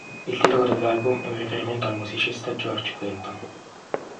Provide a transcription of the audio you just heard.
Il titolo dell'album è un riferimento al musicista George Clinton.